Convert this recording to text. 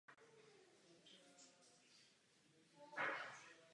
Vlivem teploty dojde k expanzi vnějších vrstev a z hvězdy se stává červený obr.